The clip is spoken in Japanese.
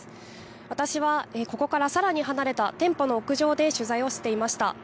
私は、ここからさらに離れた店舗の屋上で取材をしていました。